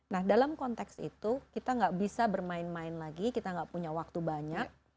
nah dalam konteks itu kita nggak bisa bermain main lagi kita nggak punya waktu banyak